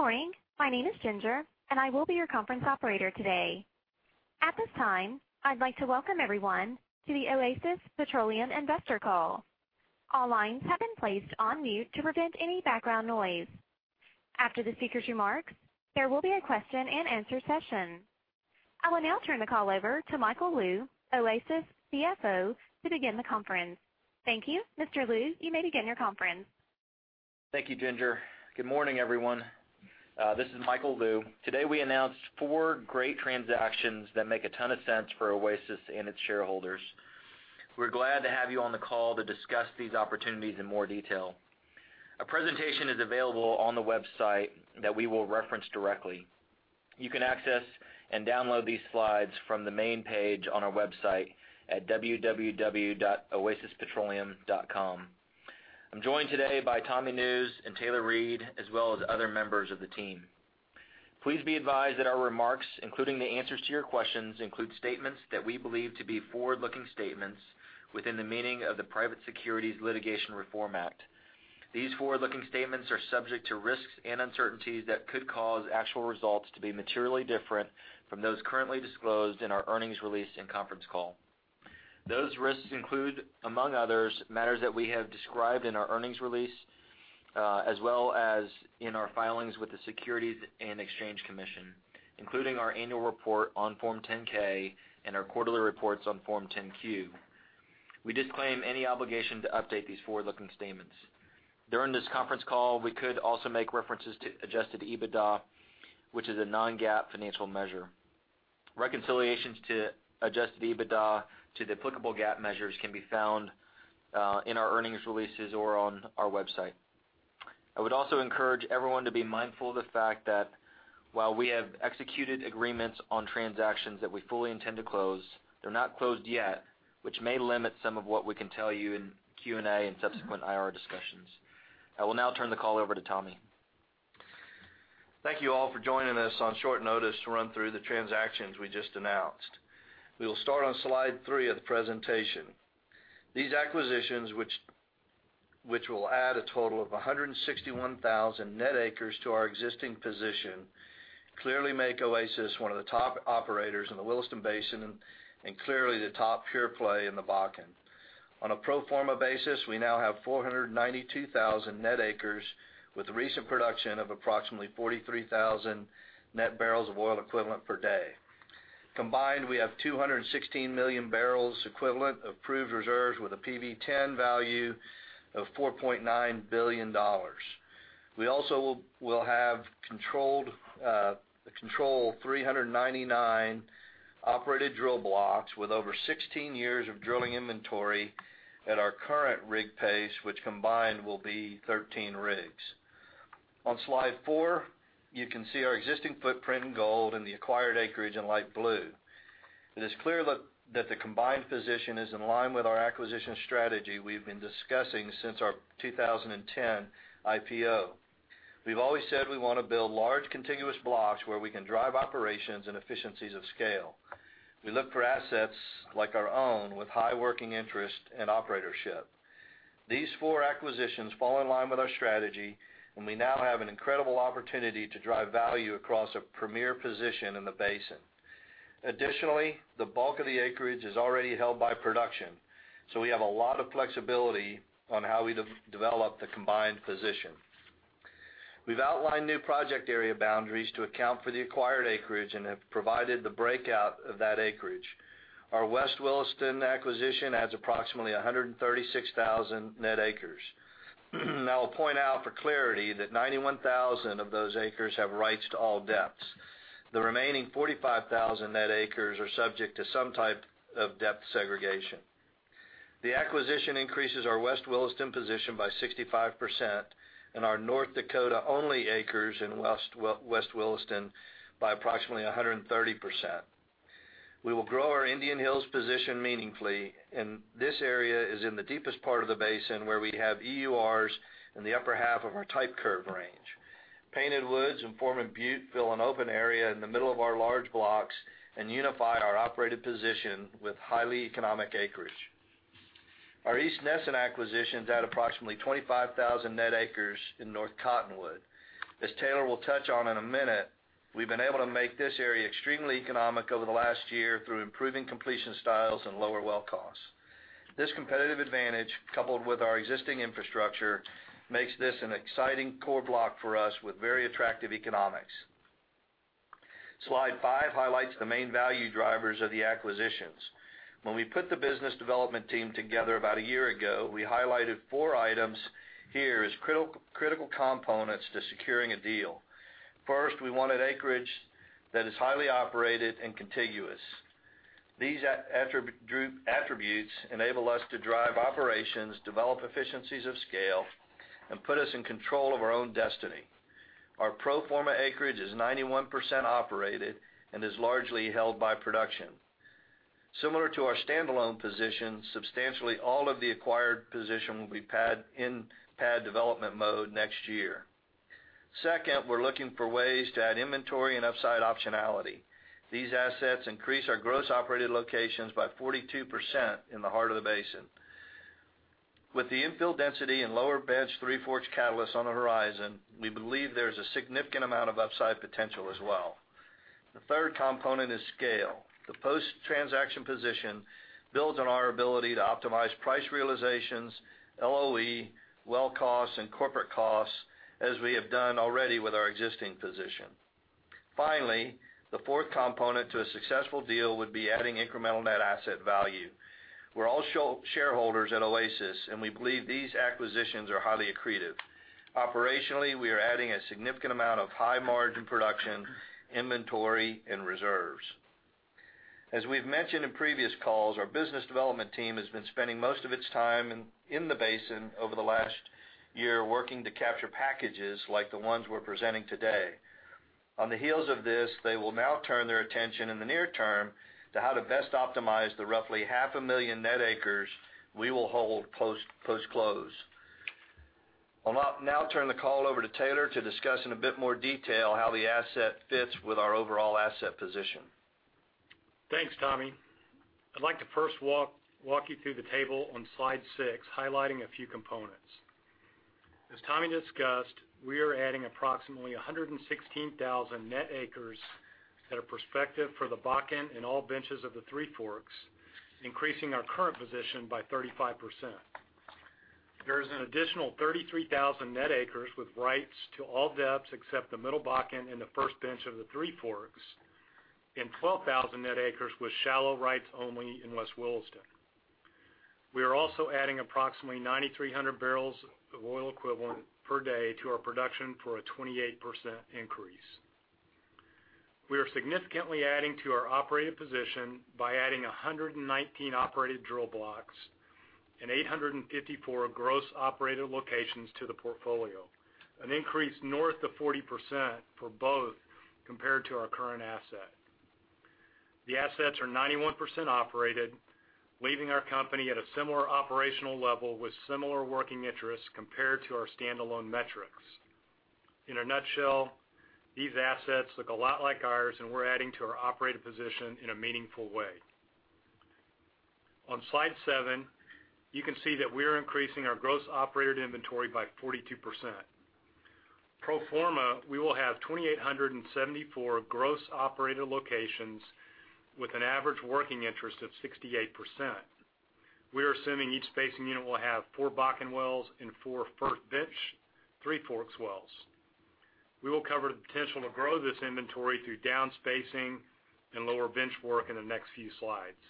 Good morning. My name is Ginger, and I will be your conference operator today. At this time, I'd like to welcome everyone to the Oasis Petroleum Investor Call. All lines have been placed on mute to prevent any background noise. After the speakers' remarks, there will be a question-and-answer session. I will now turn the call over to Michael Lou, Oasis CFO, to begin the conference. Thank you. Mr. Lou, you may begin your conference. Thank you, Ginger. Good morning, everyone. This is Michael Lou. Today, we announced four great transactions that make a ton of sense for Oasis and its shareholders. We're glad to have you on the call to discuss these opportunities in more detail. A presentation is available on the website that we will reference directly. You can access and download these slides from the main page on our website at www.oasispetroleum.com. I'm joined today by Tommy Nusz and Taylor Reid, as well as other members of the team. Please be advised that our remarks, including the answers to your questions, include statements that we believe to be forward-looking statements within the meaning of the Private Securities Litigation Reform Act. These forward-looking statements are subject to risks and uncertainties that could cause actual results to be materially different from those currently disclosed in our earnings release and conference call. Those risks include, among others, matters that we have described in our earnings release, as well as in our filings with the Securities and Exchange Commission, including our annual report on Form 10-K and our quarterly reports on Form 10-Q. We disclaim any obligation to update these forward-looking statements. During this conference call, we could also make references to adjusted EBITDA, which is a non-GAAP financial measure. Reconciliations to adjusted EBITDA to the applicable GAAP measures can be found in our earnings releases or on our website. I would also encourage everyone to be mindful of the fact that while we have executed agreements on transactions that we fully intend to close, they're not closed yet, which may limit some of what we can tell you in Q&A and subsequent IR discussions. I will now turn the call over to Tommy. Thank you all for joining us on short notice to run through the transactions we just announced. We will start on Slide three of the presentation. These acquisitions, which will add a total of 161,000 net acres to our existing position, clearly make Oasis one of the top operators in the Williston Basin and clearly the top pure play in the Bakken. On a pro forma basis, we now have 492,000 net acres, with recent production of approximately 43,000 net barrels of oil equivalent per day. Combined, we have 216 million barrels equivalent of proved reserves with a PV-10 value of $4.9 billion. We also will have control of 399 operated drill blocks with over 16 years of drilling inventory at our current rig pace, which combined will be 13 rigs. On Slide four, you can see our existing footprint in gold and the acquired acreage in light blue. It is clear that the combined position is in line with our acquisition strategy we've been discussing since our 2010 IPO. We've always said we want to build large contiguous blocks where we can drive operations and efficiencies of scale. We look for assets like our own with high working interest and operatorship. These four acquisitions fall in line with our strategy, and we now have an incredible opportunity to drive value across a premier position in the basin. The bulk of the acreage is already held by production, we have a lot of flexibility on how we develop the combined position. We've outlined new project area boundaries to account for the acquired acreage and have provided the breakout of that acreage. Our West Williston acquisition adds approximately 136,000 net acres. I'll point out for clarity that 91,000 of those acres have rights to all depths. The remaining 45,000 net acres are subject to some type of depth segregation. The acquisition increases our West Williston position by 65% and our North Dakota-only acres in West Williston by approximately 130%. We will grow our Indian Hills position meaningfully, this area is in the deepest part of the basin, where we have EURs in the upper half of our type curve range. Painted Woods and Foreman Butte fill an open area in the middle of our large blocks and unify our operated position with highly economic acreage. Our East Nesson acquisitions add approximately 25,000 net acres in North Cottonwood. As Taylor will touch on in a minute, we've been able to make this area extremely economic over the last year through improving completion styles and lower well costs. This competitive advantage, coupled with our existing infrastructure, makes this an exciting core block for us with very attractive economics. Slide 5 highlights the main value drivers of the acquisitions. When we put the business development team together about a year ago, we highlighted four items here as critical components to securing a deal. First, we wanted acreage that is highly operated and contiguous. These attributes enable us to drive operations, develop efficiencies of scale, and put us in control of our own destiny. Our pro forma acreage is 91% operated and is largely held by production. Similar to our standalone position, substantially all of the acquired position will be in pad development mode next year. Second, we're looking for ways to add inventory and upside optionality. These assets increase our gross operated locations by 42% in the heart of the basin. With the infill density and lower bench Three Forks catalysts on the horizon, we believe there's a significant amount of upside potential as well. The third component is scale. The post-transaction position builds on our ability to optimize price realizations, LOE, well costs, and corporate costs, as we have done already with our existing position. The fourth component to a successful deal would be adding incremental net asset value. We're all shareholders at Oasis, we believe these acquisitions are highly accretive. Operationally, we are adding a significant amount of high-margin production, inventory, and reserves. As we've mentioned in previous calls, our business development team has been spending most of its time in the basin over the last year, working to capture packages like the ones we're presenting today. On the heels of this, they will now turn their attention in the near term to how to best optimize the roughly half a million net acres we will hold post close. I'll now turn the call over to Taylor to discuss in a bit more detail how the asset fits with our overall asset position. Thanks, Tommy. I'd like to first walk you through the table on slide six, highlighting a few components. As Tommy discussed, we are adding approximately 116,000 net acres that are prospective for the Bakken and all benches of the Three Forks, increasing our current position by 35%. There is an additional 33,000 net acres with rights to all depths except the Middle Bakken and the First Bench of the Three Forks and 12,000 net acres with shallow rights only in West Williston. We are also adding approximately 9,300 barrels of oil equivalent per day to our production for a 28% increase. We are significantly adding to our operated position by adding 119 operated drill blocks and 854 gross operated locations to the portfolio, an increase north of 40% for both compared to our current asset. The assets are 91% operated, leaving our company at a similar operational level with similar working interests compared to our standalone metrics. In a nutshell, these assets look a lot like ours. We're adding to our operated position in a meaningful way. On slide seven, you can see that we are increasing our gross operated inventory by 42%. Pro forma, we will have 2,874 gross operated locations with an average working interest of 68%. We are assuming each spacing unit will have four Bakken wells and four First Bench of the Three Forks wells. We will cover the potential to grow this inventory through down spacing and lower bench work in the next few slides.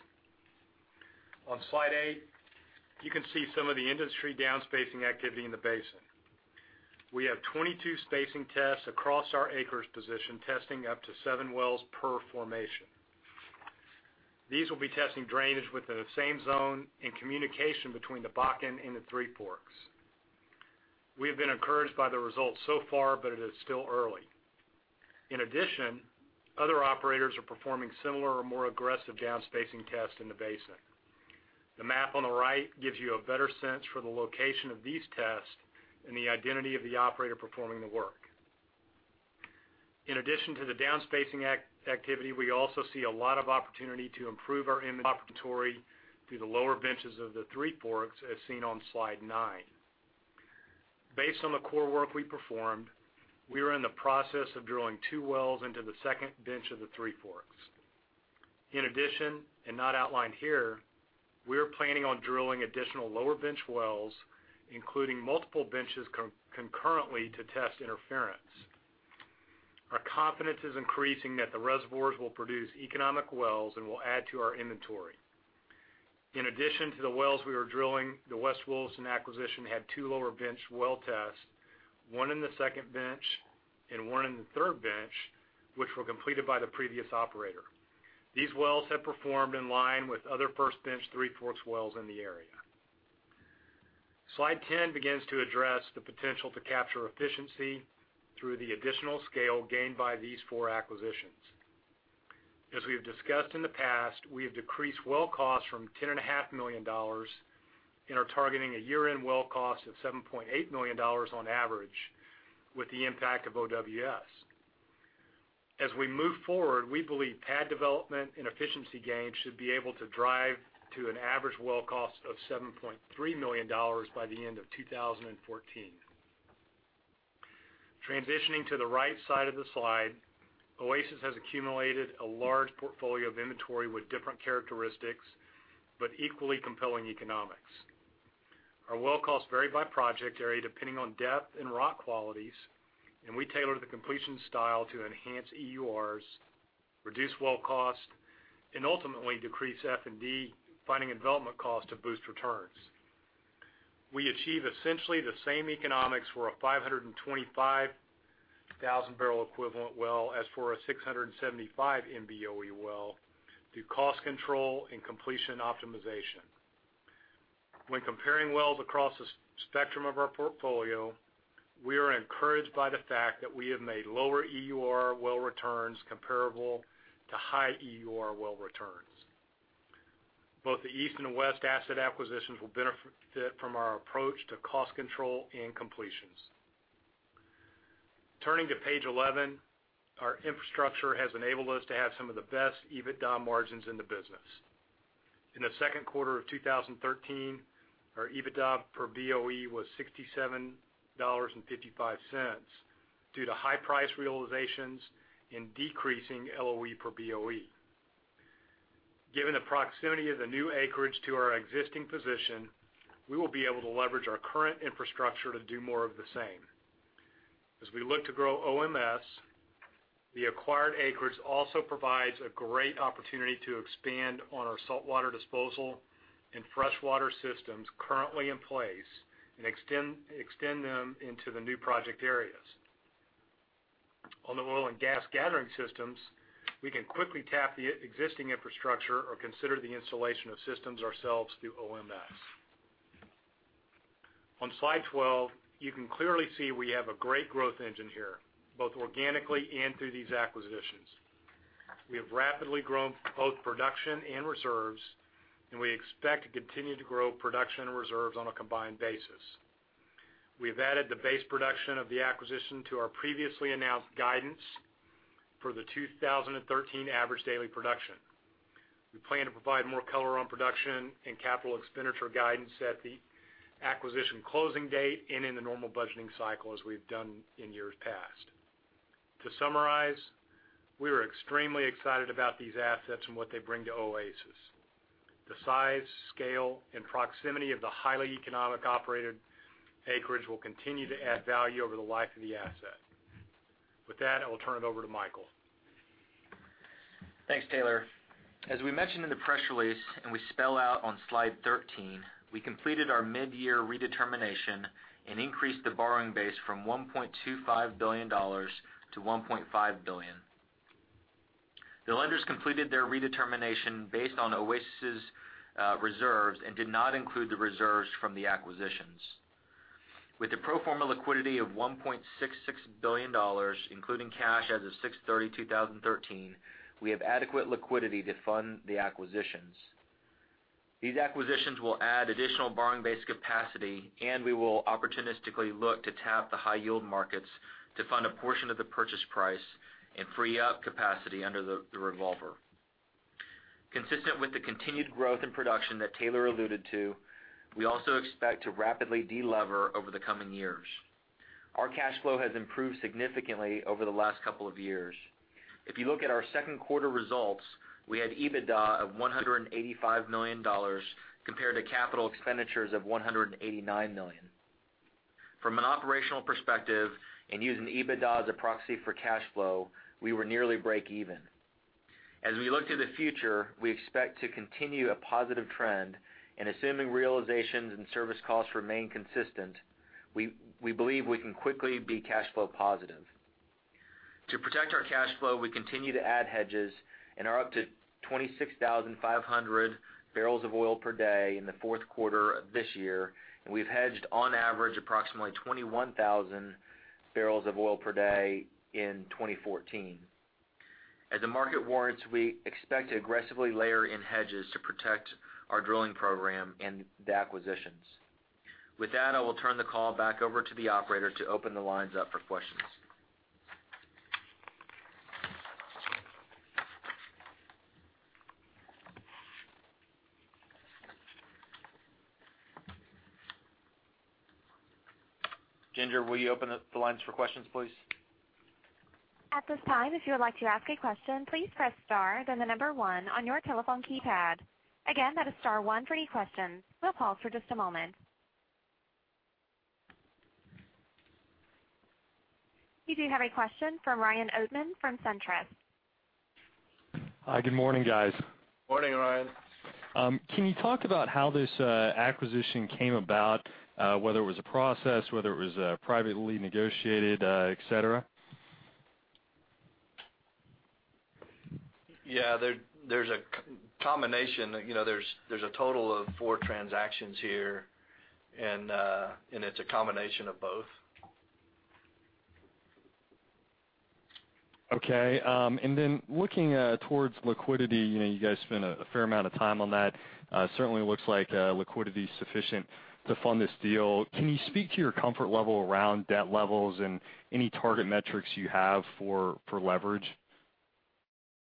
On slide eight, you can see some of the industry down spacing activity in the basin. We have 22 spacing tests across our acres position, testing up to seven wells per formation. These will be testing drainage within the same zone and communication between the Bakken and the Three Forks. We have been encouraged by the results so far. It is still early. In addition, other operators are performing similar or more aggressive down spacing tests in the basin. The map on the right gives you a better sense for the location of these tests and the identity of the operator performing the work. In addition to the down spacing activity, we also see a lot of opportunity to improve our inventory through the lower benches of the Three Forks, as seen on slide nine. Based on the core work we performed, we are in the process of drilling two wells into the Second Bench of the Three Forks. In addition, and not outlined here, we are planning on drilling additional lower bench wells, including multiple benches concurrently, to test interference. Our confidence is increasing that the reservoirs will produce economic wells and will add to our inventory. In addition to the wells we are drilling, the West Williston acquisition had two lower bench well tests, one in the Second Bench and one in the Third Bench, which were completed by the previous operator. These wells have performed in line with other First Bench Three Forks wells in the area. Slide 10 begins to address the potential to capture efficiency through the additional scale gained by these four acquisitions. As we have discussed in the past, we have decreased well costs from $10.5 million and are targeting a year-end well cost of $7.8 million on average with the impact of OWS. As we move forward, we believe pad development and efficiency gains should be able to drive to an average well cost of $7.3 million by the end of 2014. Transitioning to the right side of the slide, Oasis has accumulated a large portfolio of inventory with different characteristics but equally compelling economics. Our well costs vary by project area depending on depth and rock qualities, and we tailor the completion style to enhance EURs, reduce well cost, and ultimately decrease F&D, finding and development costs to boost returns. We achieve essentially the same economics for a 525,000-barrel equivalent well as for a 675 MBOE well through cost control and completion optimization. When comparing wells across the spectrum of our portfolio, we are encouraged by the fact that we have made lower EUR well returns comparable to high EUR well returns. Both the East and West asset acquisitions will benefit from our approach to cost control and completions. Turning to page 11, our infrastructure has enabled us to have some of the best EBITDA margins in the business. In the second quarter of 2013, our EBITDA per BOE was $67.55 due to high price realizations and decreasing LOE per BOE. Given the proximity of the new acreage to our existing position, we will be able to leverage our current infrastructure to do more of the same. As we look to grow OMS, the acquired acreage also provides a great opportunity to expand on our saltwater disposal and freshwater systems currently in place and extend them into the new project areas. On the oil and gas gathering systems, we can quickly tap the existing infrastructure or consider the installation of systems ourselves through OMS. On slide 12, you can clearly see we have a great growth engine here, both organically and through these acquisitions. We have rapidly grown both production and reserves, and we expect to continue to grow production and reserves on a combined basis. We've added the base production of the acquisition to our previously announced guidance for the 2013 average daily production. We plan to provide more color on production and capital expenditure guidance at the acquisition closing date and in the normal budgeting cycle, as we've done in years past. To summarize, we are extremely excited about these assets and what they bring to Oasis. The size, scale, and proximity of the highly economic operated acreage will continue to add value over the life of the asset. With that, I will turn it over to Michael. Thanks, Taylor. As we mentioned in the press release, and we spell out on slide 13, we completed our mid-year redetermination and increased the borrowing base from $1.25 billion to $1.5 billion. The lenders completed their redetermination based on Oasis' reserves and did not include the reserves from the acquisitions. With the pro forma liquidity of $1.66 billion, including cash as of 6/30/2013, we have adequate liquidity to fund the acquisitions. These acquisitions will add additional borrowing base capacity, and we will opportunistically look to tap the high-yield markets to fund a portion of the purchase price and free up capacity under the revolver. Consistent with the continued growth in production that Taylor alluded to, we also expect to rapidly de-lever over the coming years. Our cash flow has improved significantly over the last couple of years. If you look at our second quarter results, we had EBITDA of $185 million, compared to capital expenditures of $189 million. From an operational perspective, and using EBITDA as a proxy for cash flow, we were nearly breakeven. As we look to the future, we expect to continue a positive trend, and assuming realizations and service costs remain consistent, we believe we can quickly be cash flow positive. To protect our cash flow, we continue to add hedges and are up to 26,500 barrels of oil per day in the fourth quarter of this year. We've hedged on average approximately 21,000 barrels of oil per day in 2014. As the market warrants, we expect to aggressively layer in hedges to protect our drilling program and the acquisitions. With that, I will turn the call back over to the operator to open the lines up for questions. Ginger, will you open up the lines for questions, please? At this time, if you would like to ask a question, please press star, then the number one on your telephone keypad. Again, that is star one for any questions. We'll pause for just a moment. You do have a question from Ryan Oatman from SunTrust. Hi, good morning, guys. Morning, Ryan. Can you talk about how this acquisition came about? Whether it was a process, whether it was privately negotiated, et cetera? Yeah. There's a combination. There's a total of four transactions here. It's a combination of both. Okay. Looking towards liquidity, you guys spent a fair amount of time on that. Certainly looks like liquidity's sufficient to fund this deal. Can you speak to your comfort level around debt levels and any target metrics you have for leverage? Yeah,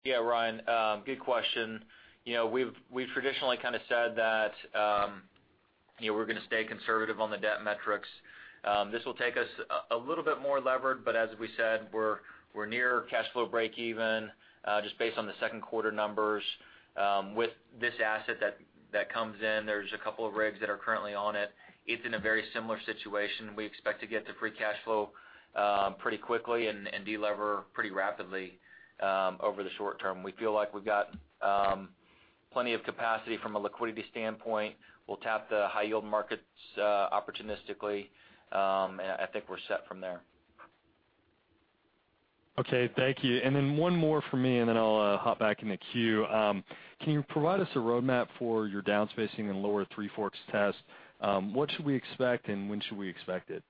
Ryan, good question. We've traditionally said that we're going to stay conservative on the debt metrics. This will take us a little bit more levered, but as we said, we're near cash flow breakeven, just based on the second quarter numbers. With this asset that comes in, there's a couple of rigs that are currently on it. It's in a very similar situation. We expect to get to free cash flow pretty quickly and de-lever pretty rapidly over the short term. We feel like we've got plenty of capacity from a liquidity standpoint. We'll tap the high-yield markets opportunistically, I think we're set from there. Okay, thank you. One more from me, then I'll hop back in the queue. Can you provide us a roadmap for your down-spacing in lower Three Forks test? What should we expect, and when should we expect it?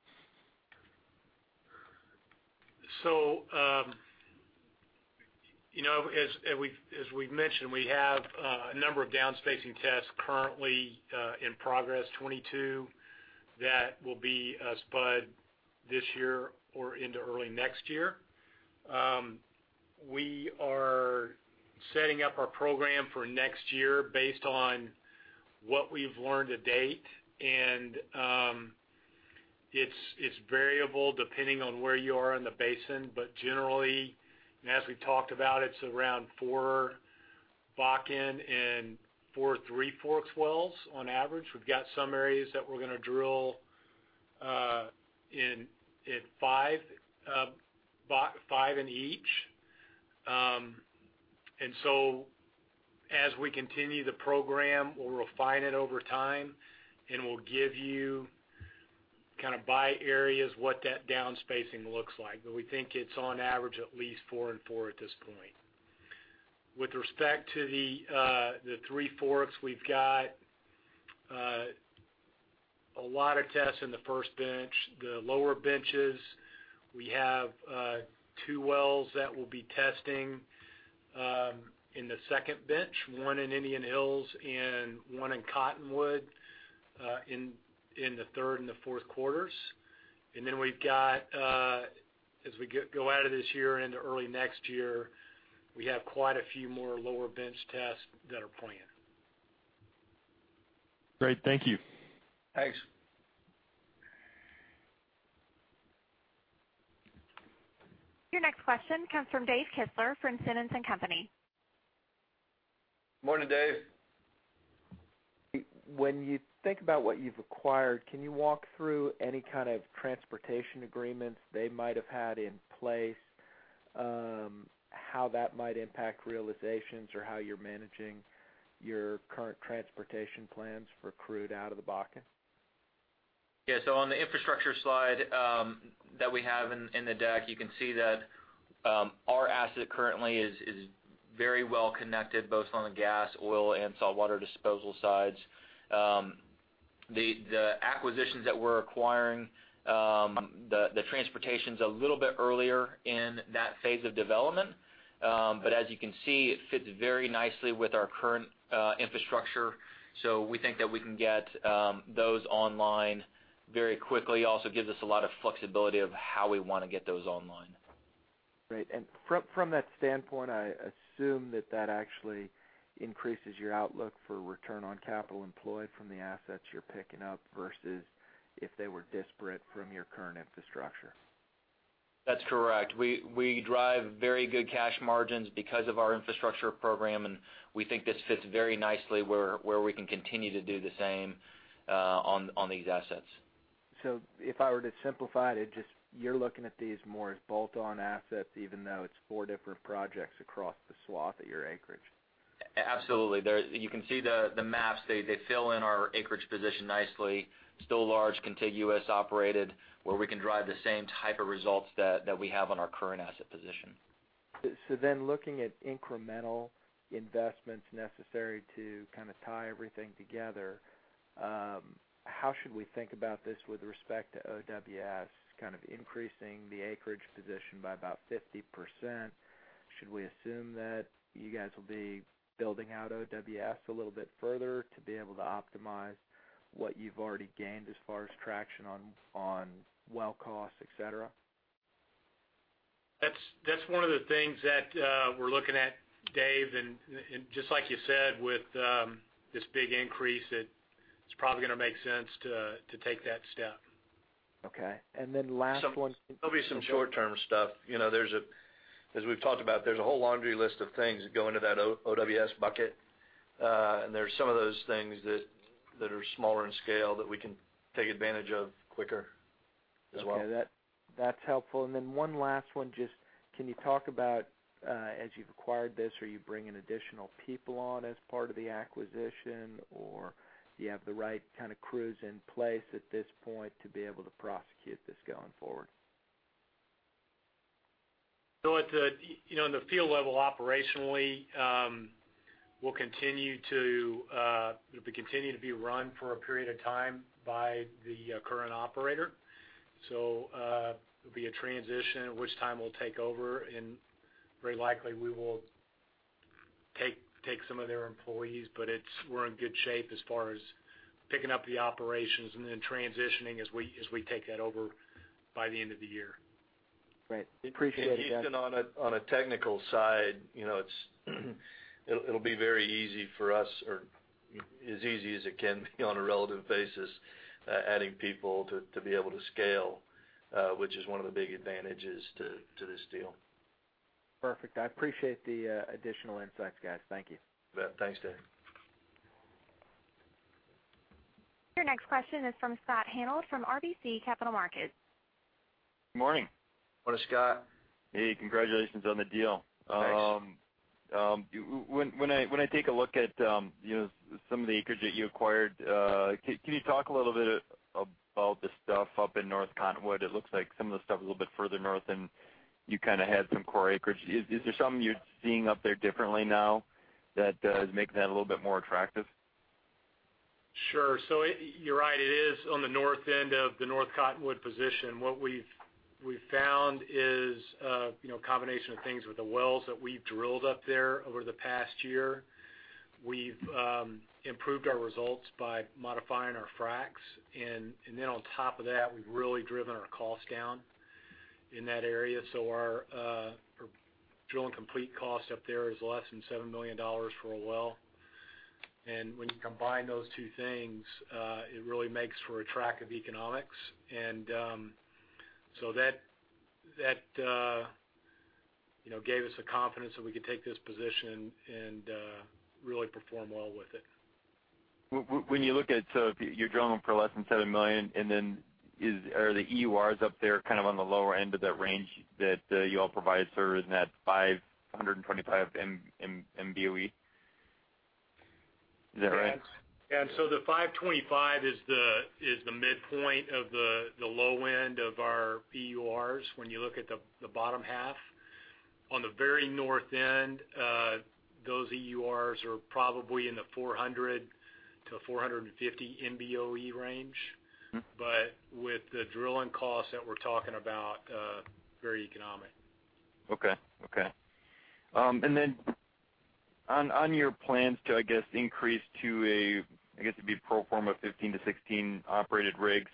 As we've mentioned, we have a number of down-spacing tests currently in progress, 22 that will be spud this year or into early next year. We are setting up our program for next year based on what we've learned to date, it's variable depending on where you are in the basin. Generally, as we talked about, it's around four Bakken and four Three Forks wells on average. We've got some areas that we're going to drill five in each. So as we continue the program, we'll refine it over time, we'll give you by areas what that down-spacing looks like. We think it's on average at least four and four at this point. With respect to the Three Forks, we've got a lot of tests in the First Bench. The lower benches, we have two wells that we'll be testing in the Second Bench, one in Indian Hills and one in Cottonwood, in the third and the fourth quarters. As we go out of this year and into early next year, we have quite a few more lower bench tests that are planned. Great. Thank you. Thanks. Your next question comes from Dave Kistler from Simmons & Company. Morning, Dave. When you think about what you've acquired, can you walk through any kind of transportation agreements they might have had in place, how that might impact realizations or how you're managing your current transportation plans for crude out of the Bakken? Yes. On the infrastructure slide that we have in the deck, you can see that our asset currently is very well connected, both on the gas, oil, and saltwater disposal sides. The acquisitions that we're acquiring, the transportation's a little bit earlier in that phase of development. As you can see, it fits very nicely with our current infrastructure. Also gives us a lot of flexibility of how we want to get those online very quickly. Great. From that standpoint, I assume that that actually increases your outlook for return on capital employed from the assets you're picking up versus if they were disparate from your current infrastructure. That's correct. We drive very good cash margins because of our infrastructure program, we think this fits very nicely where we can continue to do the same on these assets. If I were to simplify it, you're looking at these more as bolt-on assets, even though it's four different projects across the swath of your acreage. Absolutely. You can see the maps. They fill in our acreage position nicely. Still large, contiguous, operated, where we can drive the same type of results that we have on our current asset position. Looking at incremental investments necessary to tie everything together, how should we think about this with respect to OWS increasing the acreage position by about 50%? Should we assume that you guys will be building out OWS a little bit further to be able to optimize what you've already gained as far as traction on well costs, et cetera? That's one of the things that we're looking at, Dave. Just like you said, with this big increase, it's probably going to make sense to take that step. Okay. Last one. There'll be some short-term stuff. As we've talked about, there's a whole laundry list of things that go into that OWS bucket. There's some of those things that are smaller in scale that we can take advantage of quicker as well. Okay. That's helpful. One last one, just can you talk about as you've acquired this, are you bringing additional people on as part of the acquisition, or do you have the right kind of crews in place at this point to be able to prosecute this going forward? In the field level operationally, it'll continue to be run for a period of time by the current operator. There'll be a transition, at which time we'll take over, very likely we will take some of their employees. We're in good shape as far as picking up the operations and then transitioning as we take that over by the end of the year. Great. Appreciate it. Even on a technical side, it'll be very easy for us, or as easy as it can be on a relative basis, adding people to be able to scale, which is one of the big advantages to this deal. Perfect. I appreciate the additional insights, guys. Thank you. Thanks, Dave. Your next question is from Scott Hanold from RBC Capital Markets. Morning. Morning, Scott. Hey, congratulations on the deal. Thanks. When I take a look at some of the acreage that you acquired, can you talk a little bit about the stuff up in North Cottonwood? It looks like some of the stuff a little bit further north, and you had some core acreage. Is there something you're seeing up there differently now that is making that a little bit more attractive? Sure. You're right. It is on the north end of the North Cottonwood position. What we've found is a combination of things with the wells that we've drilled up there over the past year. We've improved our results by modifying our fracs. On top of that, we've really driven our cost down in that area. Our drilling complete cost up there is less than $7 million for a well. When you combine those two things, it really makes for attractive economics. That gave us the confidence that we could take this position and really perform well with it. When you look at, if you're drilling for less than $7 million, are the EURs up there on the lower end of that range that you all provide, sort of in that 525 MBOE? Is that right? Yeah. The 525 is the midpoint of the low end of our EURs, when you look at the bottom half. On the very north end, those EURs are probably in the 400 MBOE-450 MBOE range. With the drilling costs that we're talking about, very economic. Okay. On your plans to, I guess, increase to a pro forma of 15 to 16 operated rigs,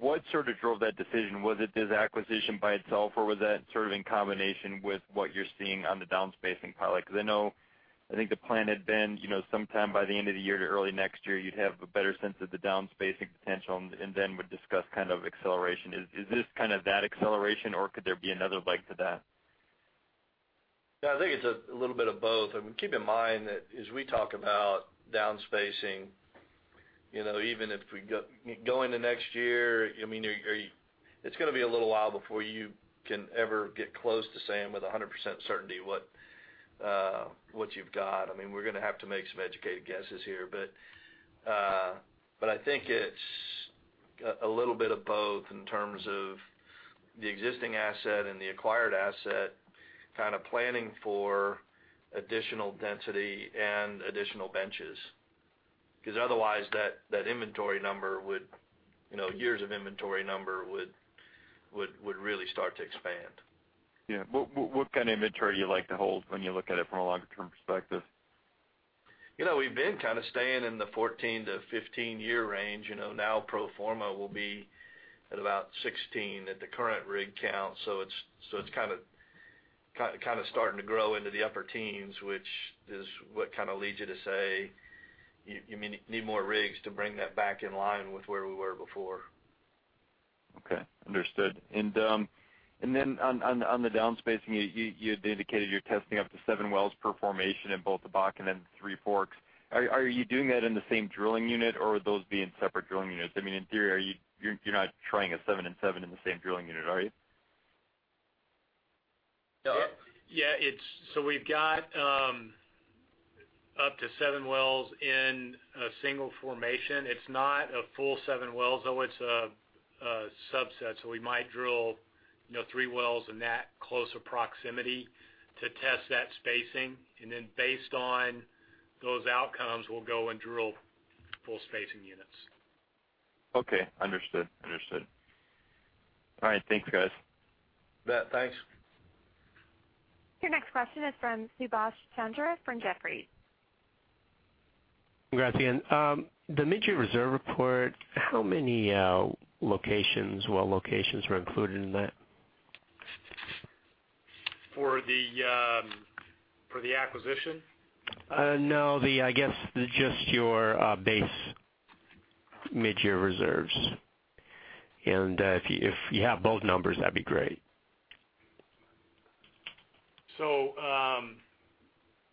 what drove that decision? Was it this acquisition by itself, or was that in combination with what you're seeing on the downspacing pilot? I know, I think the plan had been, sometime by the end of the year to early next year, you'd have a better sense of the downspacing potential, and then would discuss acceleration. Is this that acceleration, or could there be another leg to that? Yeah, I think it's a little bit of both. I mean, keep in mind that as we talk about downspacing, even if we go into next year, it's going to be a little while before you can ever get close to saying with 100% certainty what you've got. I mean, we're going to have to make some educated guesses here. I think it's a little bit of both in terms of the existing asset and the acquired asset, planning for additional density and additional benches. Otherwise, that years of inventory number would really start to expand. Yeah. What kind of inventory do you like to hold when you look at it from a longer-term perspective? We've been staying in the 14 to 15 year range. Now pro forma will be at about 16 at the current rig count, it's starting to grow into the upper teens, which is what leads you to say you need more rigs to bring that back in line with where we were before. Okay. Understood. Then on the downspacing, you had indicated you're testing up to seven wells per formation in both the Bakken and Three Forks. Are you doing that in the same drilling unit, or would those be in separate drilling units? I mean, in theory, you're not trying a seven and seven in the same drilling unit, are you? Yeah. We've got up to seven wells in a single formation. It's not a full seven wells, though. It's a subset. We might drill three wells in that closer proximity to test that spacing. Based on those outcomes, we'll go and drill full spacing units. Okay. Understood. All right, thanks, guys. You bet, thanks. Your next question is from Subash Chandra from Jefferies. Thanks again. The mid-year reserve report, how many locations, well locations were included in that? For the acquisition? No, I guess, just your base mid-year reserves. If you have both numbers, that'd be great.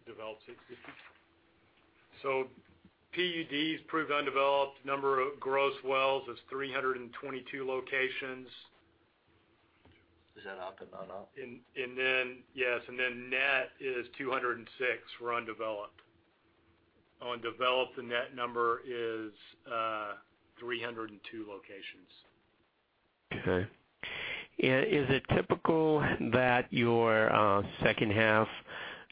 Developed, 60. PUDs, proved undeveloped, number of gross wells is 322 locations. Is that up and not all? Then, yes, net is 206 for undeveloped. On developed, the net number is 302 locations. Okay. Is it typical that your second half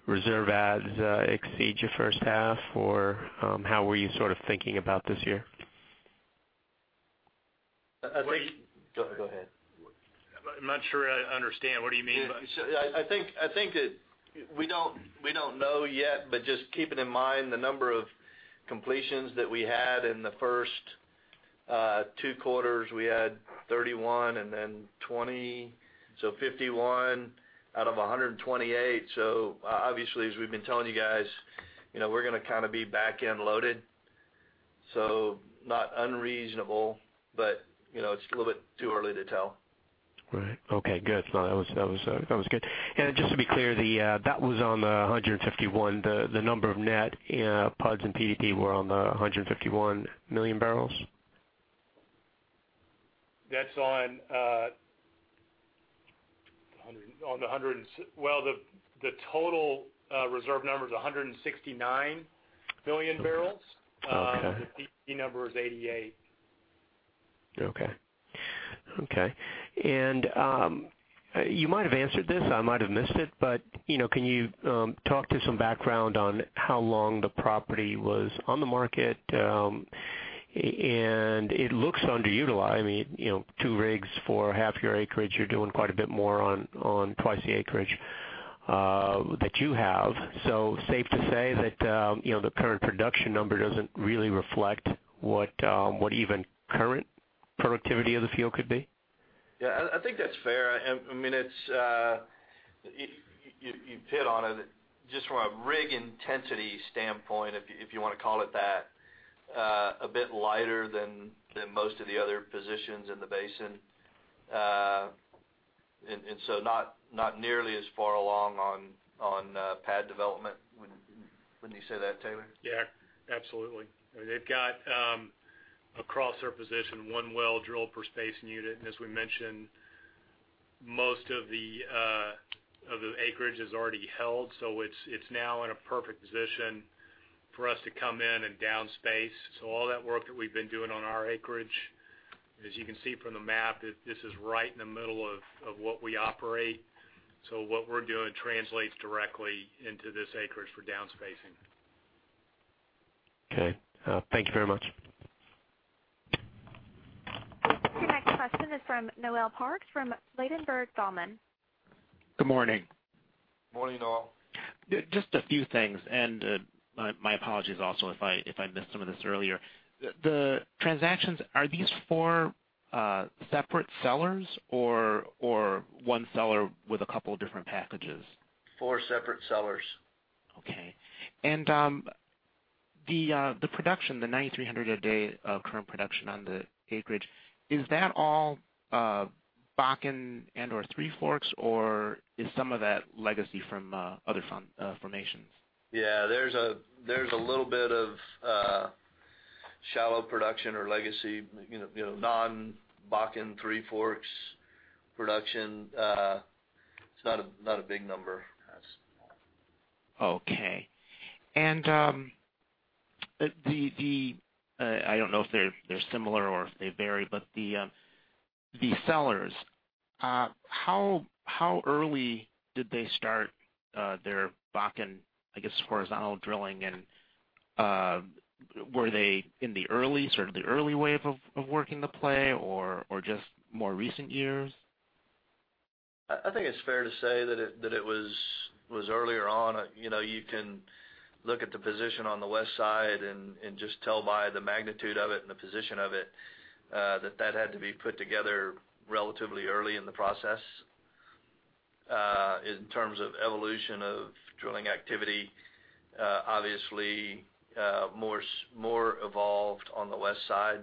reserve adds exceed your first half, or how were you sort of thinking about this year? I think. Well, you. Go ahead. I'm not sure I understand. What do you mean by? Yeah. I think that we don't know yet, but just keeping in mind the number of completions that we had in the first two quarters, we had 31 and then 20, so 51 out of 128. Obviously, as we've been telling you guys, we're going to be backend loaded. Not unreasonable, but it's a little bit too early to tell. Right. Okay, good. No, that was good. Just to be clear, that was on the 151, the number of net PUDs in PDP were on the 151 million barrels? Well, the total reserve number is 169 million barrels. Okay. The PDP number is 88 Okay. You might have answered this, I might have missed it, can you talk to some background on how long the property was on the market? It looks underutilized. I mean, two rigs for half your acreage, you're doing quite a bit more on twice the acreage that you have. Safe to say that the current production number doesn't really reflect what even current productivity of the field could be? Yeah, I think that's fair. You've hit on it. Just from a rig intensity standpoint, if you want to call it that, a bit lighter than most of the other positions in the basin. Not nearly as far along on pad development. Wouldn't you say that, Taylor? Yeah, absolutely. They've got, across their position, one well drilled per spacing unit. As we mentioned, most of the acreage is already held. It's now in a perfect position for us to come in and down space. All that work that we've been doing on our acreage, as you can see from the map, this is right in the middle of what we operate. What we're doing translates directly into this acreage for down spacing. Okay. Thank you very much. Your next question is from Noel Parks from Ladenburg Thalmann. Good morning. Morning, Noel. Just a few things, my apologies also if I missed some of this earlier. The transactions, are these four separate sellers or one seller with a couple of different packages? Four separate sellers. Okay. The production, the 9,300 a day of current production on the acreage, is that all Bakken and/or Three Forks, or is some of that legacy from other formations? Yeah, there's a little bit of shallow production or legacy, non-Bakken/Three Forks production. It's not a big number. Okay. I don't know if they're similar or if they vary, the sellers, how early did they start their Bakken, I guess, horizontal drilling, and were they in the early wave of working the play or just more recent years? I think it's fair to say that it was earlier on. You can look at the position on the west side and just tell by the magnitude of it and the position of it, that that had to be put together relatively early in the process. In terms of evolution of drilling activity, obviously more evolved on the west side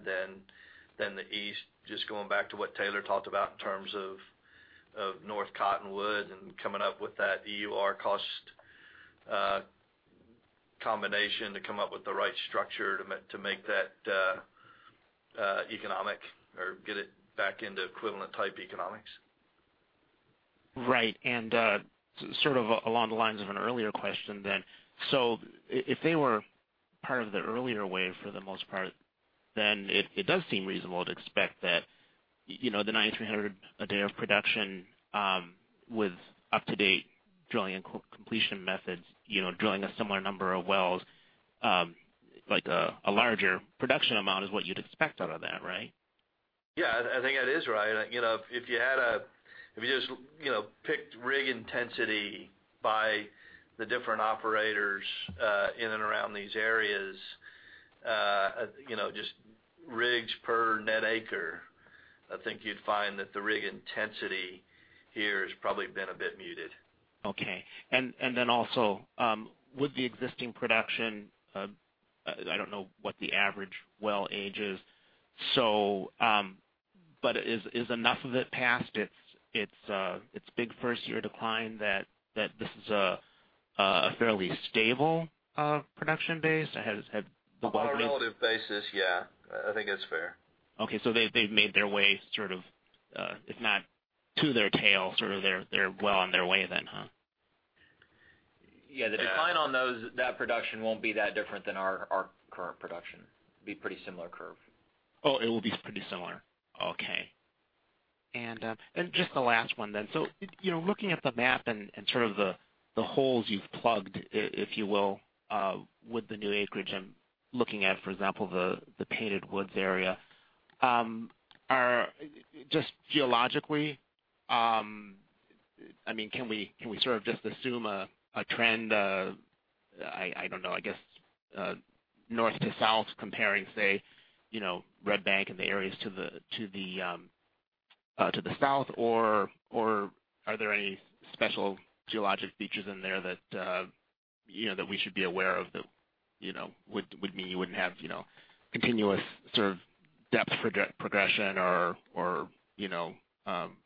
than the east. Just going back to what Taylor talked about in terms of North Cottonwood and coming up with that EUR cost combination to come up with the right structure to make that economic or get it back into equivalent type economics. Right. Sort of along the lines of an earlier question. If they were part of the earlier wave for the most part, it does seem reasonable to expect that the 9,300 a day of production with up-to-date drilling and completion methods, drilling a similar number of wells, like a larger production amount is what you'd expect out of that, right? Yeah, I think that is right. If you just picked rig intensity by the different operators in and around these areas, just rigs per net acre, I think you'd find that the rig intensity here has probably been a bit muted. Okay. Also, with the existing production, I don't know what the average well age is, but is enough of it past its big first year decline that this is a fairly stable production base? Has the well been On a relative basis, yeah. I think that's fair. Okay, they've made their way sort of, if not to their tail, sort of they're well on their way then, huh? Yeah, the decline on that production won't be that different than our current production. It'd be a pretty similar curve. Oh, it will be pretty similar. Okay. Just the last one then. Looking at the map and sort of the holes you've plugged, if you will, with the new acreage and looking at, for example, the Painted Woods area. Just geologically, can we sort of just assume a trend, I don't know, I guess north to south comparing, say, Red Bank and the areas to the south? Or are there any special geologic features in there that we should be aware of that would mean you wouldn't have continuous sort of depth progression or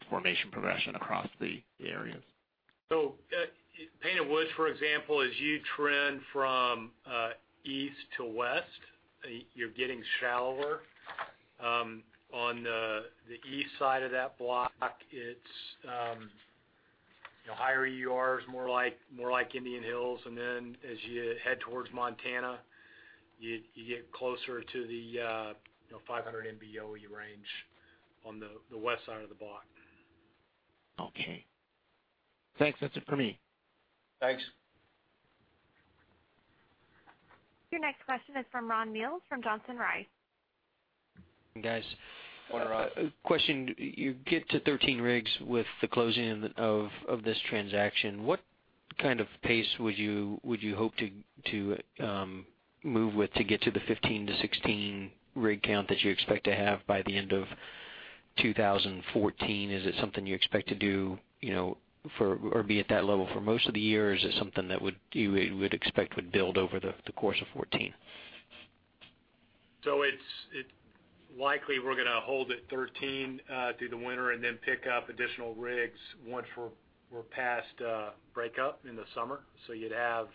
formation progression across the areas? Painted Woods, for example, as you trend from east to west, you're getting shallower on the east side of that block, it's higher EURs, more like Indian Hills. Then as you head towards Montana, you get closer to the 500 MBOE range on the west side of the block. Okay. Thanks. That's it for me. Thanks. Your next question is from Ron Mills from Johnson Rice. Hey, guys. Hi, Ron. Question. You get to 13 rigs with the closing of this transaction. What kind of pace would you hope to move with to get to the 15-16 rig count that you expect to have by the end of 2014? Is it something you expect to do, or be at that level for most of the year, or is it something that you would expect would build over the course of 2014? It's likely we're going to hold at 13 through the winter and then pick up additional rigs once we're past breakup in the summer. You'd have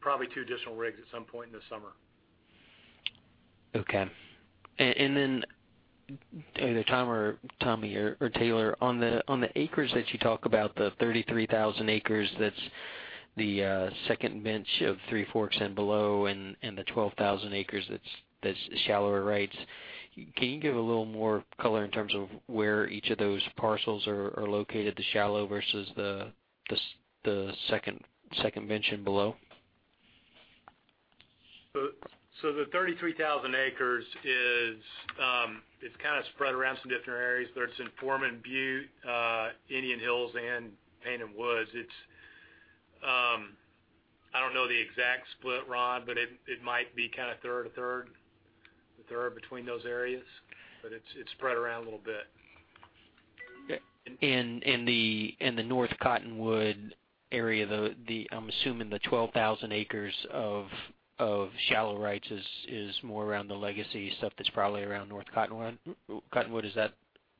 probably two additional rigs at some point in the summer. Okay. either Tom or Tommy or Taylor, on the acres that you talk about, the 33,000 acres that's the Second Bench of Three Forks and below, and the 12,000 acres that's shallower rights, can you give a little more color in terms of where each of those parcels are located, the shallow versus the Second Bench and below? The 33,000 acres is spread around some different areas, whether it's in Foreman Butte, Indian Hills, and Painted Woods. I don't know the exact split, Ron, it might be a third between those areas. it's spread around a little bit. Okay. In the North Cottonwood area, I'm assuming the 12,000 acres of shallow rights is more around the legacy stuff that's probably around North Cottonwood. Is that?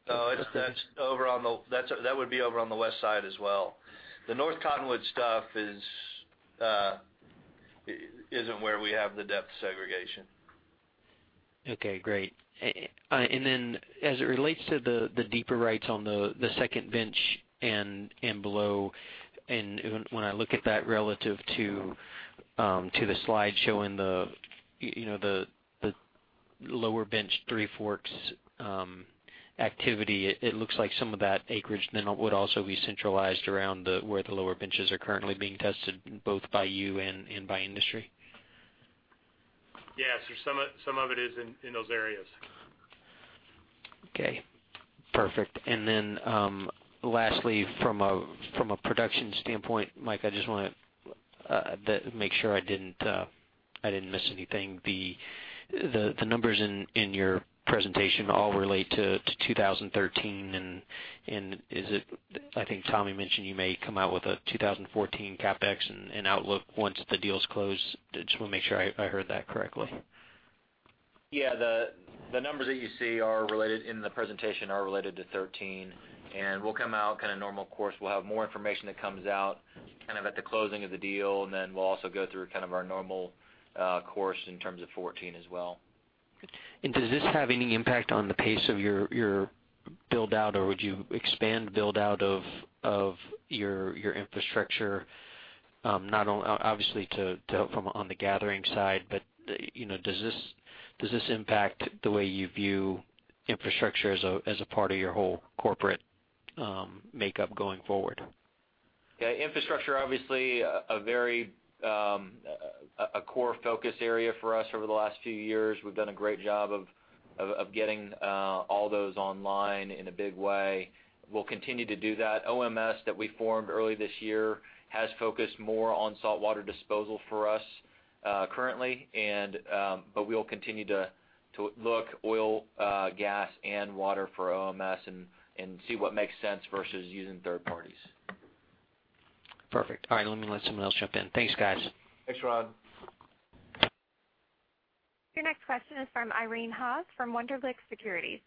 No, that would be over on the west side as well. The North Cottonwood stuff isn't where we have the depth segregation. Okay, great. As it relates to the deeper rights on the Second Bench and below, when I look at that relative to the slide showing the Third Bench Three Forks activity, it looks like some of that acreage would also be centralized around where the Third Bench are currently being tested, both by you and by industry. Yes, some of it is in those areas. Okay, perfect. Lastly, from a production standpoint, Mike, I just want to make sure I didn't miss anything. The numbers in your presentation all relate to 2013, I think Tommy mentioned you may come out with a 2014 CapEx and outlook once the deal's closed. Just want to make sure I heard that correctly. Yeah, the numbers that you see in the presentation are related to 2013, we'll come out normal course. We'll have more information that comes out at the closing of the deal, we'll also go through our normal course in terms of 2014 as well. Does this have any impact on the pace of your build-out, or would you expand build-out of your infrastructure? Obviously on the gathering side, but does this impact the way you view infrastructure as a part of your whole corporate makeup going forward? Yeah, infrastructure, obviously, a core focus area for us over the last few years. We've done a great job of getting all those online in a big way. We'll continue to do that. OMS, that we formed early this year, has focused more on saltwater disposal for us currently. We'll continue to look oil, gas, and water for OMS and see what makes sense versus using third parties. Perfect. All right. Let me let someone else jump in. Thanks, guys. Thanks, Ron. Your next question is from Irene Haas from Wunderlich Securities.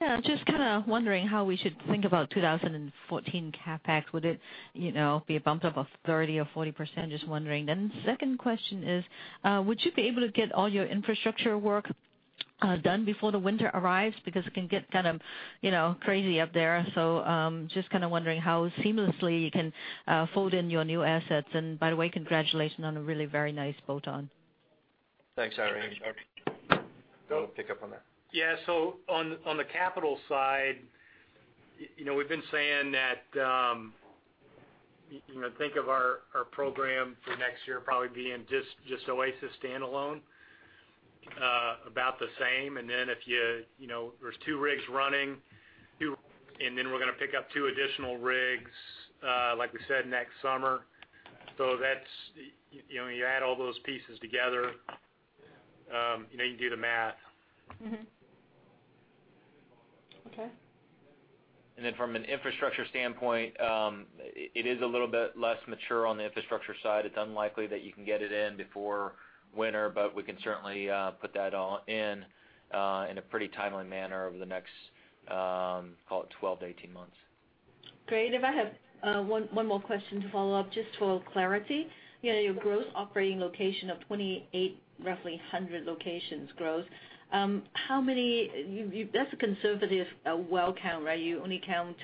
Yeah, just wondering how we should think about 2014 CapEx. Would it be a bump up of 30% or 40%? Just wondering. The second question is, would you be able to get all your infrastructure work done before the winter arrives? Because it can get crazy up there. Just wondering how seamlessly you can fold in your new assets. By the way, congratulations on a really very nice bolt-on. Thanks, Irene. Thanks, Irene. Do you want to pick up on that? Yeah. On the capital side, we've been saying that think of our program for next year probably being just Oasis standalone, about the same. There's 2 rigs running, we're going to pick up 2 additional rigs, like we said, next summer. You add all those pieces together, you can do the math. Okay. From an infrastructure standpoint, it is a little bit less mature on the infrastructure side. It's unlikely that you can get it in before winter, but we can certainly put that all in a pretty timely manner over the next, call it 12-18 months. Great. I have one more question to follow up, just for clarity. Your gross operating location of 28, roughly 100 locations gross. That's a conservative well count, right? You only count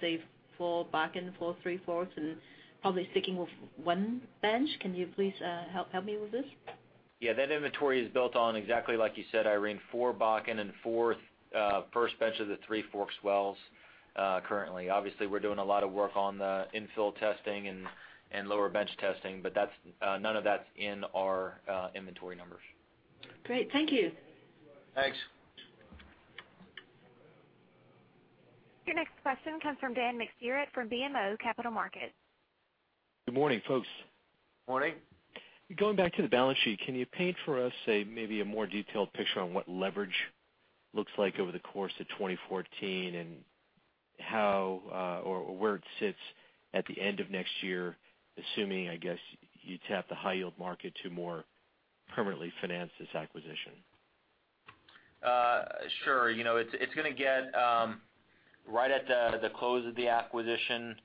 say four Bakken, four Three Forks, and probably sticking with one bench. Can you please help me with this? Yeah, that inventory is built on exactly like you said, Irene, four Bakken and four First Bench Three Forks wells currently. Obviously, we're doing a lot of work on the infill testing and lower bench testing, but none of that's in our inventory numbers. Great. Thank you. Thanks. Your next question comes from Dan McSpirit from BMO Capital Markets. Good morning, folks. Morning. Going back to the balance sheet, can you paint for us, say maybe a more detailed picture on what leverage looks like over the course of 2014 and how or where it sits at the end of next year, assuming, I guess, you tap the high yield market to more permanently finance this acquisition? Sure. It's going to get right at the close of the acquisition,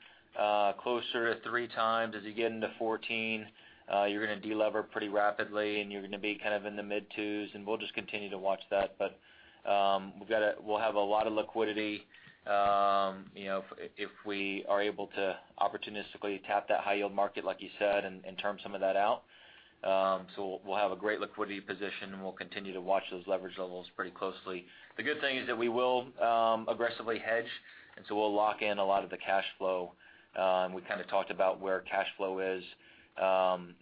closer to three times as you get into 2014. You're going to de-lever pretty rapidly, you're going to be in the mid twos, we'll just continue to watch that. We'll have a lot of liquidity if we are able to opportunistically tap that high yield market, like you said, and term some of that out. We'll have a great liquidity position, we'll continue to watch those leverage levels pretty closely. The good thing is that we will aggressively hedge, we'll lock in a lot of the cash flow. We talked about where cash flow is.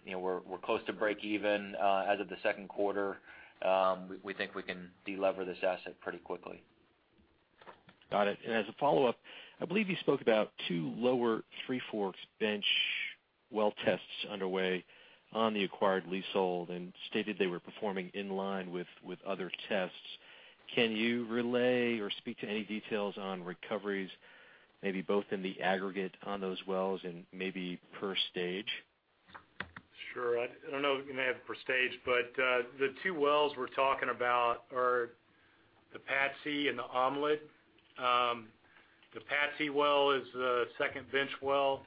We're close to break even as of the second quarter. We think we can de-lever this asset pretty quickly. Got it. As a follow-up, I believe you spoke about two lower Three Forks bench well tests underway on the acquired leasehold and stated they were performing in line with other tests. Can you relay or speak to any details on recoveries, maybe both in the aggregate on those wells and maybe per stage? Sure. I don't know if we're going to have it per stage, but the two wells we're talking about are the Patsy and the Omelet. The Patsy well is a Second Bench well.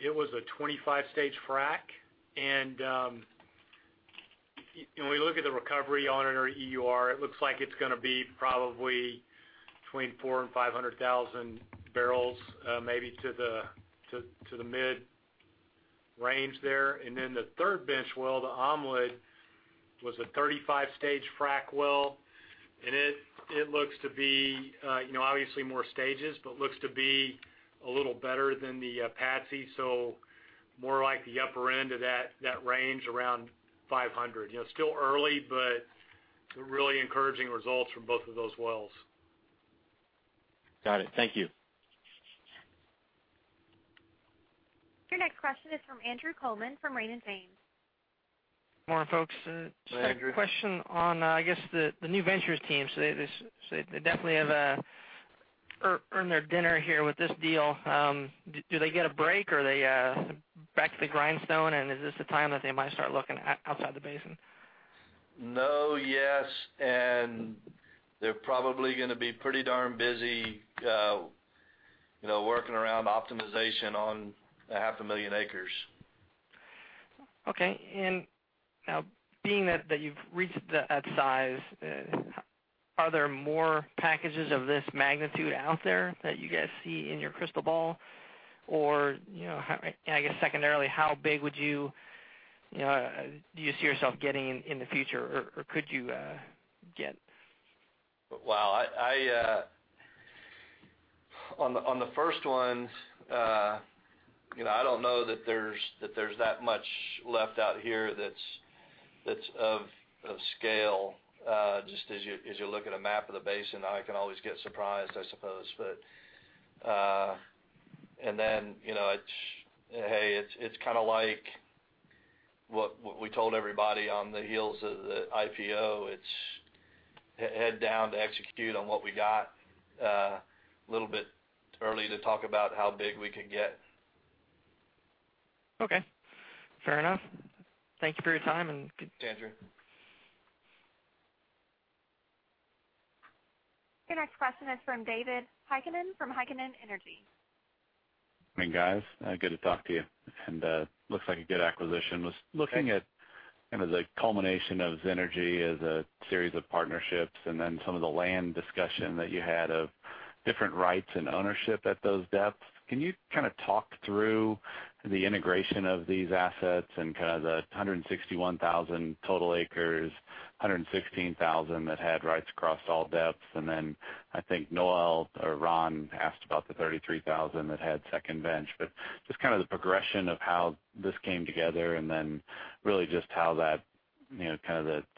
It was a 25-stage frack, when we look at the recovery on it, or EUR, it looks like it's going to be probably between four and 500,000 barrels, maybe to the mid-range there. Then the Third Bench well, the Omelet, was a 35-stage frack well, it looks to be obviously more stages, but looks to be a little better than the Patsy, so more like the upper end of that range, around 500. Still early, but some really encouraging results from both of those wells. Got it. Thank you. Your next question is from Andrew Coleman from Raymond James. Morning, folks. Hey, Andrew. Just had a question on, I guess, the new ventures team. They definitely have earned their dinner here with this deal. Do they get a break, or are they back to the grindstone, is this the time that they might start looking outside the basin? No, yes, they're probably going to be pretty darn busy working around optimization on 500,000 acres. Okay. Now, being that you've reached that size, are there more packages of this magnitude out there that you guys see in your crystal ball? I guess secondarily, how big do you see yourself getting in the future, or could you get? On the first one, I don't know that there's that much left out here that's of scale. Just as you look at a map of the basin, I can always get surprised, I suppose. It's like what we told everybody on the heels of the IPO. It's head down to execute on what we got. A little bit early to talk about how big we could get. Fair enough. Thank you for your time. Thanks, Andrew. Your next question is from David Heikkinen from Heikkinen Energy. Morning, guys. Good to talk to you. Looks like a good acquisition. Thanks. I was looking at the culmination of Zenergy as a series of partnerships and then some of the land discussion that you had of different rights and ownership at those depths. Can you talk through the integration of these assets and the 161,000 total acres, 116,000 that had rights across all depths? I think Noel or Ron asked about the 33,000 that had Second Bench. Just the progression of how this came together, and then really just how that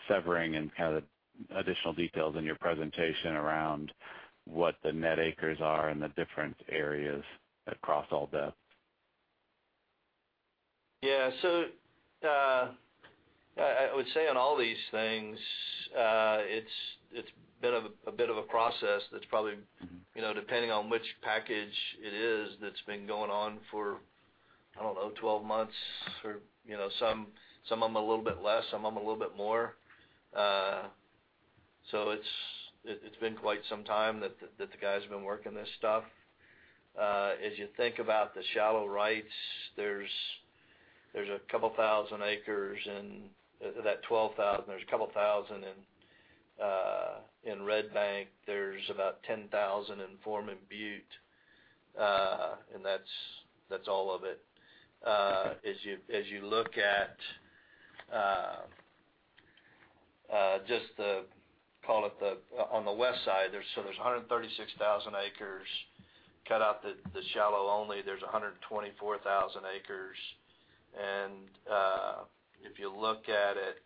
severing and the additional details in your presentation around what the net acres are and the different areas across all depths. Yeah. I would say on all these things, it's been a bit of a process that's probably, depending on which package it is, that's been going on for, I don't know, 12 months. Some of them a little bit less, some of them a little bit more. It's been quite some time that the guys have been working this stuff. As you think about the shallow rights, there's a couple thousand acres in that 12,000. There's a couple thousand in Red Bank. There's about 10,000 in Foreman Butte, and that's all of it. As you look at just the, call it, on the west side, there's 136,000 acres. Cut out the shallow only, there's 124,000 acres. If you look at it,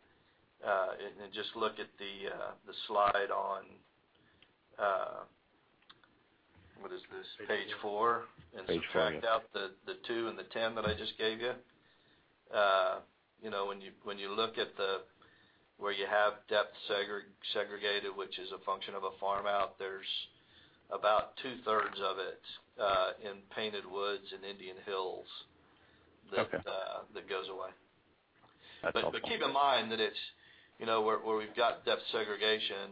and just look at the slide on, what is this? Page four? Page four, yeah. subtract out the two and the 10 that I just gave you. When you look at where you have depth segregated, which is a function of a farm-out, there's about two-thirds of it in Painted Woods and Indian Hills that Okay that goes away. That's helpful. keep in mind that where we've got depth segregation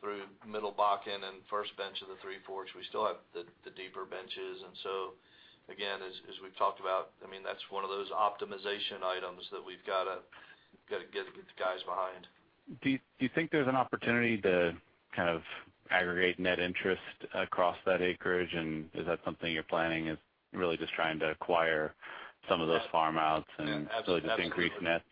through Middle Bakken and First Bench of the Three Forks, we still have the deeper benches. again, as we've talked about, that's one of those optimization items that we've got to get the guys behind. Do you think there's an opportunity to aggregate net interest across that acreage? Is that something you're planning, is really just trying to acquire some of those farm-outs and- Yeah. Absolutely. really just increase net?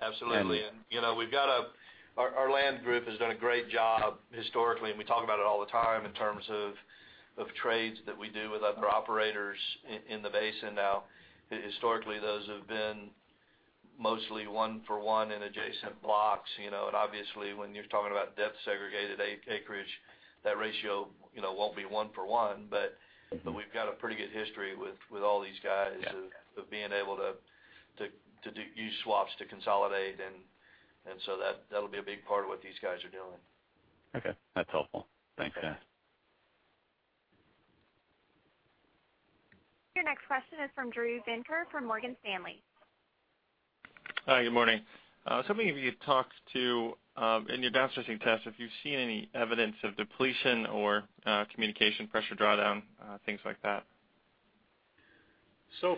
Absolutely. And- Our land group has done a great job historically, and we talk about it all the time in terms of trades that we do with other operators in the basin now. Historically, those have been mostly one-for-one in adjacent blocks. Obviously when you're talking about depth segregated acreage, that ratio won't be one for one. We've got a pretty good history with all these guys- Yeah of being able to use swaps to consolidate. That'll be a big part of what these guys are doing. Okay. That's helpful. Thanks, guys. Your next question is from Drew Venker from Morgan Stanley. Hi, good morning. I was hoping if you could talk to, in your down spacing test, if you've seen any evidence of depletion or communication pressure drawdown, things like that?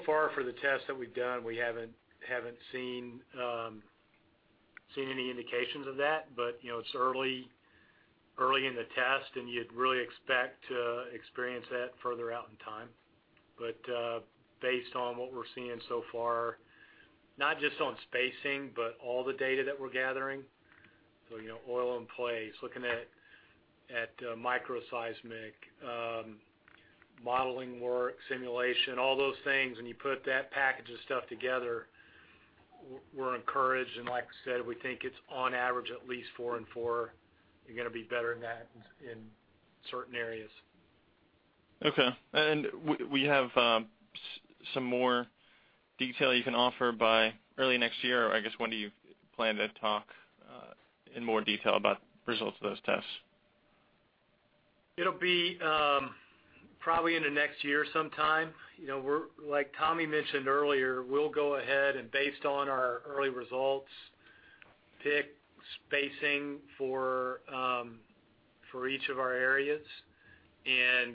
Far, for the tests that we've done, we haven't seen any indications of that. It's early in the test, and you'd really expect to experience that further out in time. Based on what we're seeing so far, not just on spacing, but all the data that we're gathering. Oil in place, looking at micro seismic, modeling work, simulation, all those things, and you put that package of stuff together, we're encouraged. Like I said, we think it's on average at least four and four. You're gonna be better than that in certain areas. Okay. Will you have some more detail you can offer by early next year? I guess when do you plan to talk in more detail about the results of those tests? It'll be probably into next year sometime. Like Tommy mentioned earlier, we'll go ahead and based on our early results, pick spacing for each of our areas.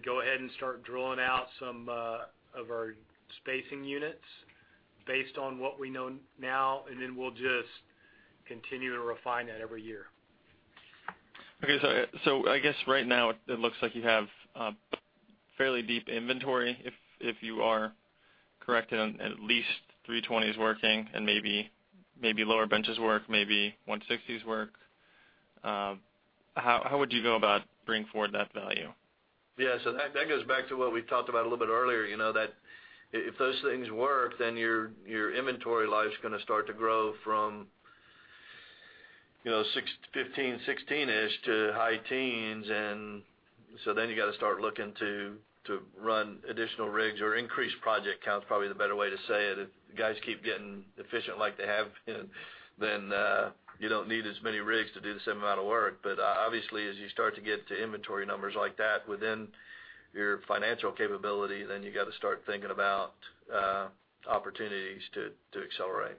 Go ahead and start drilling out some of our spacing units based on what we know now, and then we'll just continue to refine that every year. Okay, I guess right now it looks like you have fairly deep inventory, if you are correct and at least 320 is working and maybe lower benches work, maybe 160s work. How would you go about bringing forward that value? Yeah, that goes back to what we talked about a little bit earlier, that if those things work, then your inventory life's gonna start to grow from 15, 16-ish to high teens. Then you got to start looking to run additional rigs or increase project count is probably the better way to say it. If guys keep getting efficient like they have been, then you don't need as many rigs to do the same amount of work. Obviously, as you start to get to inventory numbers like that within your financial capability, then you got to start thinking about opportunities to accelerate.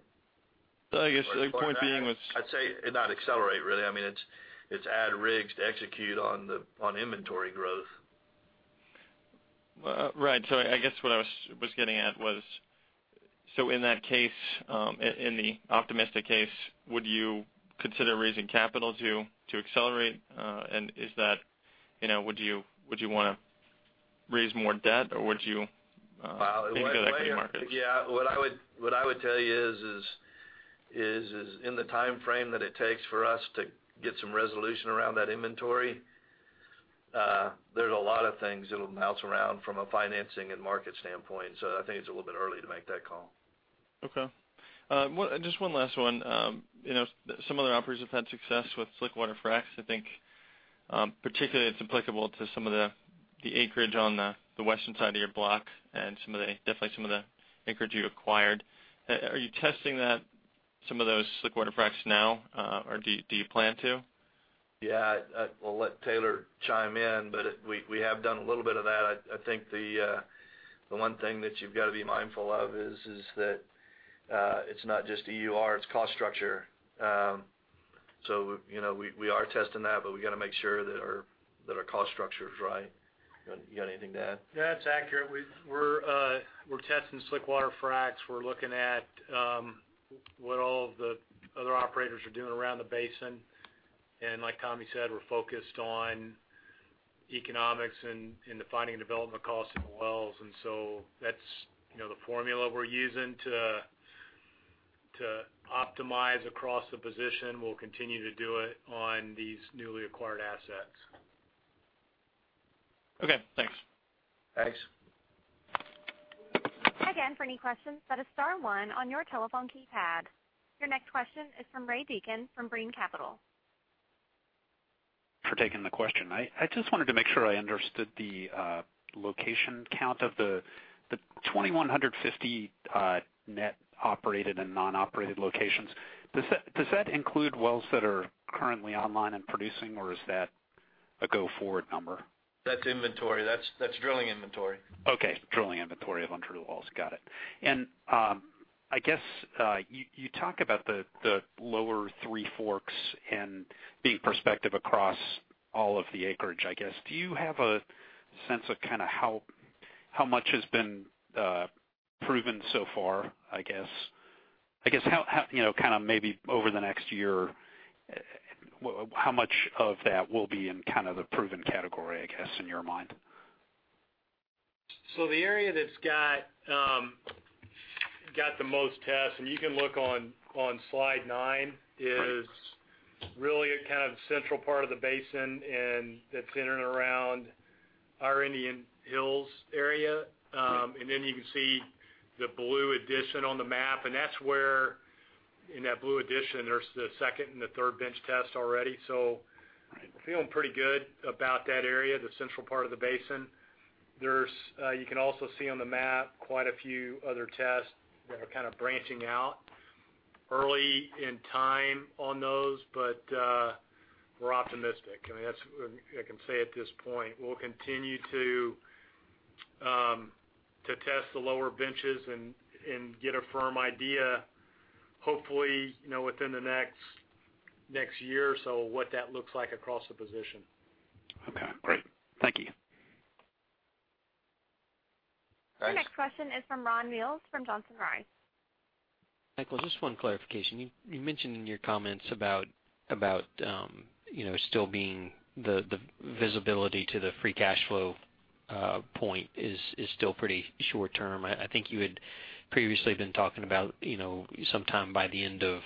I guess the point being. I'd say not accelerate, really. It's add rigs to execute on inventory growth. Right. I guess what I was getting at was, in that case, in the optimistic case, would you consider raising capital to accelerate? Would you want to raise more debt, or would you wait until the markets? Yeah. What I would tell you is, in the timeframe that it takes for us to get some resolution around that inventory, there's a lot of things that'll bounce around from a financing and market standpoint. I think it's a little bit early to make that call. Okay. Just one last one. Some other operators have had success with slickwater fracs. I think particularly it's applicable to some of the acreage on the western side of your block and definitely some of the acreage you acquired. Are you testing some of those slickwater fracs now? Or do you plan to? Yeah. I will let Taylor chime in, but we have done a little bit of that. I think the one thing that you've got to be mindful of is that it's not just EUR, it's cost structure. We are testing that, but we've got to make sure that our cost structure is right. You got anything to add? Yeah, that's accurate. We're testing slick water fracs. We're looking at what all the other operators are doing around the basin. Like Tommy said, we're focused on economics and defining development costs in the wells. That's the formula we're using to optimize across the position. We'll continue to do it on these newly acquired assets. Okay, thanks. Thanks. Again, for any questions, press star one on your telephone keypad. Your next question is from Ray Deacon from Brean Capital. For taking the question. I just wanted to make sure I understood the location count of the 2,150 net operated and non-operated locations. Does that include wells that are currently online and producing, or is that a go-forward number? That's inventory. That's drilling inventory. Okay. Drilling inventory of undrilled wells. Got it. I guess, you talk about the Lower Three Forks and being prospective across all of the acreage, I guess. Do you have a sense of how much has been proven so far, I guess? Maybe over the next year, how much of that will be in the proven category, I guess, in your mind? The area that's got the most tests, and you can look on Slide nine, is really a central part of the basin, and that's in and around our Indian Hills area. You can see the blue addition on the map, and that's where in that blue addition, there's the Second and the Third Bench test already. Feeling pretty good about that area, the central part of the basin. You can also see on the map quite a few other tests that are branching out early in time on those, but we're optimistic. I mean, that's what I can say at this point. We'll continue to test the lower benches and get a firm idea, hopefully within the next year or so, what that looks like across the position. Okay, great. Thank you. Thanks. Your next question is from Ron Mills from Johnson Rice. Michael, just one clarification. You mentioned in your comments about the visibility to the free cash flow point is still pretty short term. I think you had previously been talking about sometime by the end of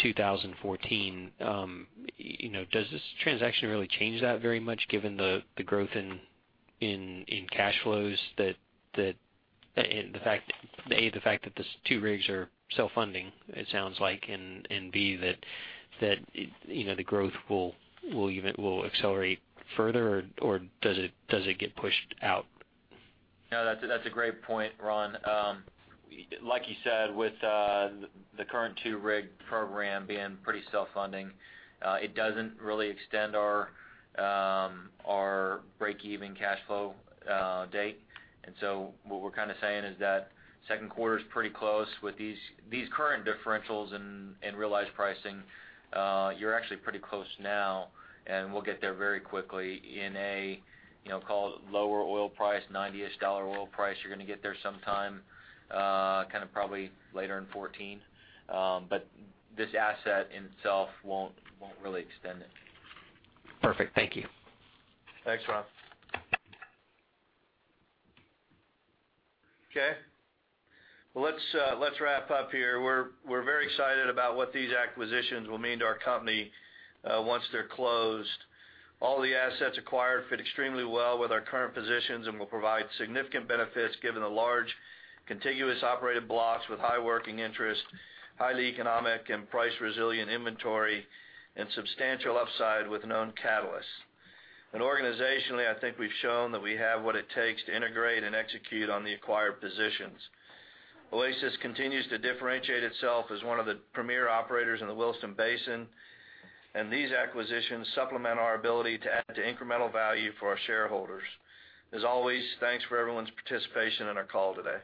2014. Does this transaction really change that very much given the growth in cash flows and the fact that, A, the fact that these two rigs are self-funding, it sounds like, and B, that the growth will accelerate further, or does it get pushed out? That's a great point, Ron. Like you said, with the current two-rig program being pretty self-funding, it doesn't really extend our break-even cash flow date. What we're saying is that second quarter's pretty close with these current differentials in realized pricing. You're actually pretty close now, and we'll get there very quickly in a, call it lower oil price, $90-ish oil price. You're going to get there sometime probably later in 2014. This asset in itself won't really extend it. Perfect. Thank you. Thanks, Ron. Let's wrap up here. We're very excited about what these acquisitions will mean to our company once they're closed. All the assets acquired fit extremely well with our current positions and will provide significant benefits given the large contiguous operated blocks with high working interest, highly economic and price resilient inventory, and substantial upside with known catalysts. Organizationally, I think we've shown that we have what it takes to integrate and execute on the acquired positions. Oasis continues to differentiate itself as one of the premier operators in the Williston Basin, and these acquisitions supplement our ability to add to incremental value for our shareholders. As always, thanks for everyone's participation on our call today.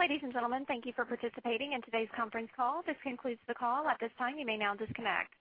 Ladies and gentlemen, thank you for participating in today's conference call. This concludes the call. At this time, you may now disconnect.